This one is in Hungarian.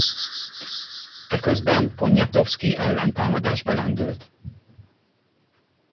Eközben Poniatowski ellentámadásba lendült.